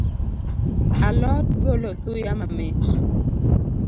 A lot golo suya mamit